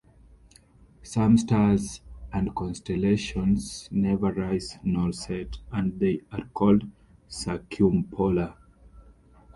Some stars and constellations never rise nor set, and they are called circumpolar.